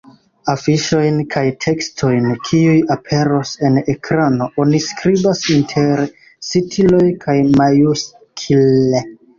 Afiŝojn kaj tekstojn kiuj aperos en ekrano oni skribas inter sitiloj kaj majuskle.